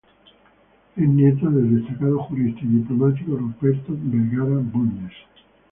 Es nieta del destacado jurista y diplomático Ruperto Vergara Bulnes.